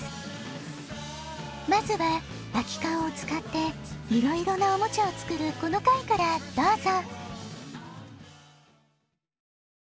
まずはあきかんをつかっていろいろなおもちゃをつくるこのかいからどうぞ！